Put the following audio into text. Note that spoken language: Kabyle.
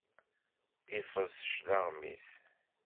Iffeẓ cclaɣem-is.